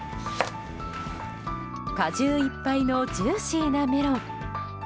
果汁いっぱいのジューシーなメロン。